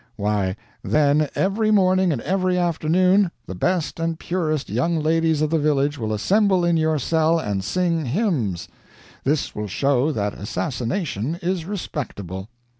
Why, then, every morning and every afternoon, the best and purest young ladies of the village will assemble in your cell and sing hymns. This will show that assassination is respectable.